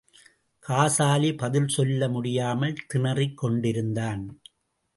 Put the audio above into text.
காசாலி பதில் சொல்ல முடியாமல் திணறிக் கொண்டிருந்தான்!